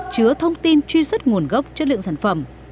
chứa thông tin truy xuất nguồn gốc chất lượng sản phẩm